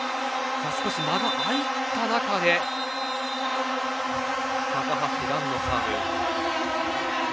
少し間が開いた中で高橋藍のサーブ。